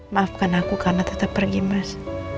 maafkan aku karena tetap pergi mas